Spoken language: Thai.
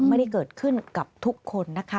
ไม่ได้เกิดขึ้นกับทุกคนนะคะ